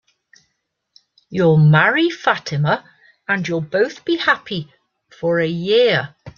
You'll marry Fatima, and you'll both be happy for a year.